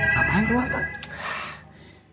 ngapain keluar ustaz